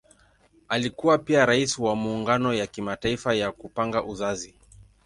Alikuwa pia Rais wa Muungano ya Kimataifa ya Kupanga Uzazi.